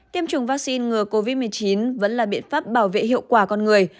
tiêm chủng vaccine ngừa covid một mươi chín vẫn là biện pháp bảo vệ hiệu quả con người